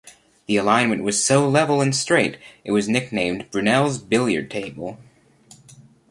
The alignment was so level and straight it was nicknamed 'Brunel's Billiard Table'.